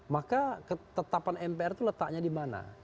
maka ketetapan mpr itu letaknya di mana